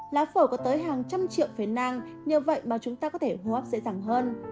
lá phổi có tới hàng trăm triệu phế nang nhờ vậy mà chúng ta có thể hô hấp dễ dàng hơn